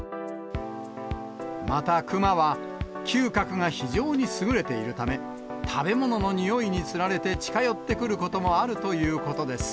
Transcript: また、クマは嗅覚が非常に優れているため、食べ物のにおいにつられて近寄ってくることもあるということです。